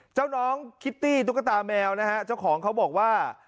น้องคิตตี้ตุ๊กตาแมวนะฮะเจ้าของเขาบอกว่า